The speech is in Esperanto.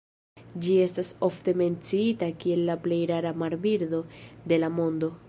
Ĝi estas ofte menciita kiel la plej rara marbirdo de la mondo.